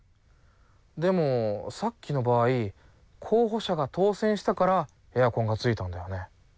でもさっきの場合候補者が当選したからエアコンがついたんだよね。